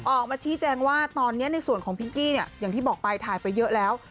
ออกมาชี้แจงว่าตอนนี้ในส่วนของพิงกี้เนี่ยอย่างที่บอกไปถ่ายไปเยอะแล้ว